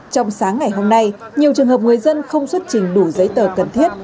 trong sáng ngày hôm nay nhiều trường hợp người dân không xuất trình đủ giấy tờ cần thiết